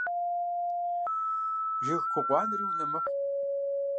Жыг ку гъуанэри унэ мэхъу.